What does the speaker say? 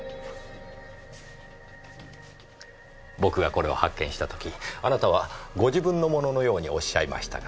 僕がこれを発見した時あなたはご自分のもののようにおっしゃいましたが。